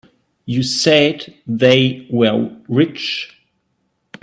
You said they were rich?